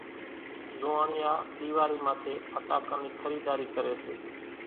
زوئاڻيا ۮيواري ماٿي ڦٽاڪان نِي خريڌاري ڪري سي ،